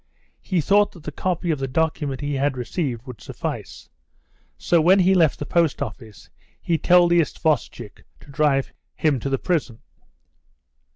He thought that the copy of the document he had received would suffice, so when he left the post office he told the isvostchik to drive him to the prison.